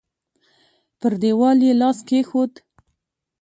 پر دېوال يې لاس کېښود.